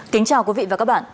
kính chào quý vị và các bạn